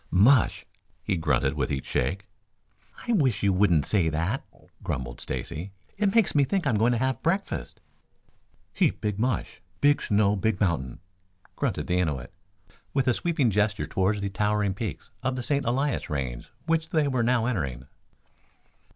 "Mush!" he grunted with each shake. "I wish you wouldn't say that," grumbled Stacy. "It makes me think I'm going to have breakfast." "Heap big mush. Big snow, big mountain," grunted the Innuit, with a sweeping gesture towards the towering peaks of the St. Elias range which they were now entering.